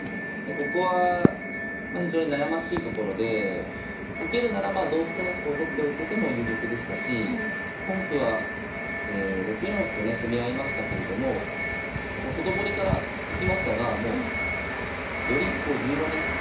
ここは非常に悩ましいところで受けるならまあ同歩とね取っておく手も有力でしたし本譜は６四歩とね攻め合いましたけれども外堀からいきましたがより竜をね